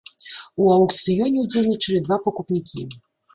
У аўкцыёне ўдзельнічалі два пакупнікі.